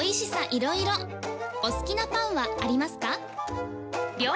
色々お好きなパンはありますか？